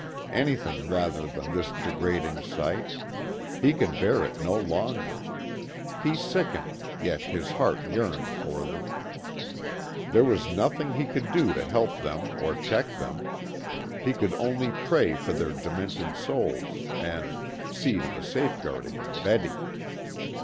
Anything rather than this degrading sight; he could bear it no longer. He sickened, yet his heart yearned for them. There was nothing he could do to help them or check them. He could only pray for their demented souls, and see to the safeguarding of Betty.